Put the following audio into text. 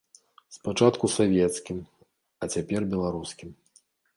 Спачатку савецкім, а цяпер беларускім.